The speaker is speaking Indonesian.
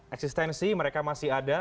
eksistensi mereka masih ada